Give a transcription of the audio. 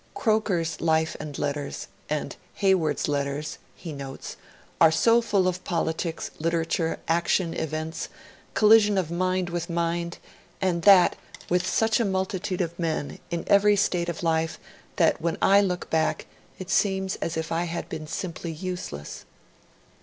'Croker's "Life and Letters", and Hayward's "Letters",' he notes, 'are so full of politics, literature, action, events, collision of mind with mind, and that with such a multitude of men in every state of life, that when I look back, it seems as if I had been simply useless.'